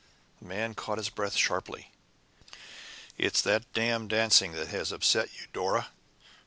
The man caught his breath sharply. "It's that damned dancing that has upset you, Dora!"